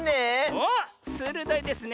おっするどいですね。